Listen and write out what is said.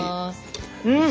うん！